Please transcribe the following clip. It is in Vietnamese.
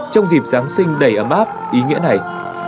trong dịp giáng sinh đầy ấm áp ý nghĩa này